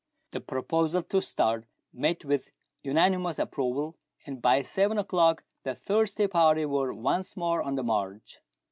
The proposal to start met with unanimous approval, and by seven o'clock the thirsty party were once more on the march.